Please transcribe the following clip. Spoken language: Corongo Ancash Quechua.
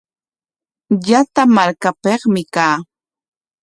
Llata markapikmi kaa.